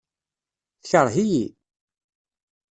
Tekreḥ-iyi?